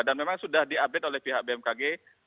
memang sudah diupdate oleh pihak bmkg